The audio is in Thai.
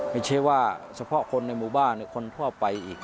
ไม่ใช่ว่าเฉพาะคนในหมู่บ้านหรือคนทั่วไปอีก